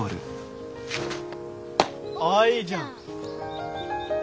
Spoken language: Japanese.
ああいいじゃん。